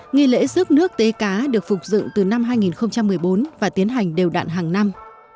nghi lễ rước nước tế cá được phục dựng từ năm hai nghìn một mươi bốn và tiến hành đều đạn hàng năm